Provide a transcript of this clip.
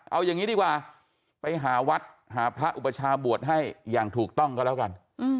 เอาอย่างนี้ดีกว่าไปหาวัดหาพระอุปชาบวชให้อย่างถูกต้องก็แล้วกัน